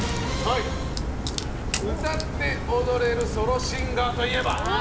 歌って踊れるソロシンガーといえば？